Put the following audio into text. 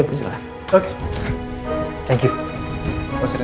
mari kita pergi ke sana